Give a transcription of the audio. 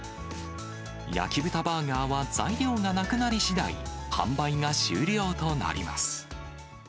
焼き豚バーガーは材料がなくなりしだい、販売が終了となります。